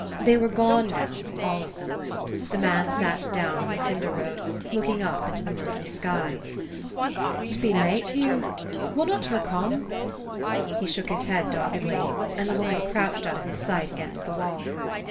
They were gone now, all of them. The man sat down on the cinder road, looking up into the murky sky. "'T be late, Hugh. Wunnot hur come?" He shook his head doggedly, and the woman crouched out of his sight against the wall.